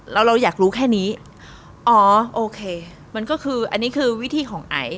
แล้วเราอยากรู้แค่นี้อ๋อโอเคมันก็คืออันนี้คือวิธีของไอ